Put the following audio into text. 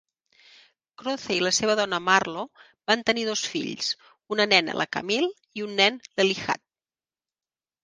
Croce i la seva dona Marlo van tenir dos fills, una nena, la Camille, i un nen, l'Elijah.